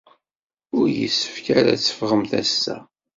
Ur yessefk ara ad teffɣemt ass-a.